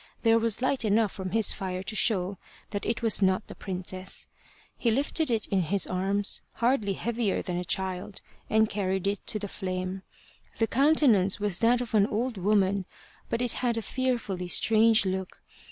There was light enough from his fire to show that it was not the princess. He lifted it in his arms, hardly heavier than a child, and carried it to the flame. The countenance was that of an old woman, but it had a fearfully strange look.